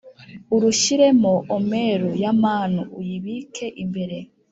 urushyiremo omeru ya manu uyibike imbere